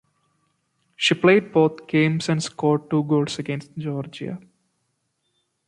She played both games and scored two goals against Georgia.